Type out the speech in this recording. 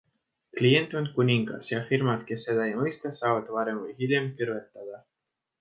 Klient on kuningas ja firmad, kes seda ei mõista, saavad varem või hiljem kõrvetada.